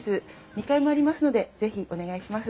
２階もありますので是非お願いします。